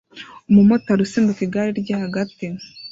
umumotari usimbuka igare rye hagati